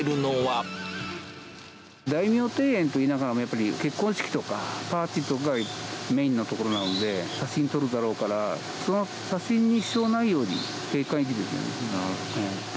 大名庭園といいながらも、やっぱり結婚式とか、パーティーとかがメインの所なので、写真撮るだろうから、その写真に支障がないように、景観維持ですよね。